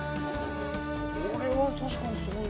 これは確かにすごい。